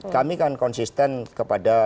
kami kan konsisten kepada